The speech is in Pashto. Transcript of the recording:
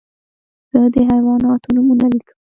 زه د حیواناتو نومونه لیکم.